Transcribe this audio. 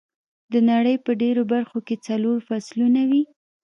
د نړۍ په ډېرو برخو کې څلور فصلونه وي.